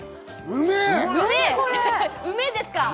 うめえですか？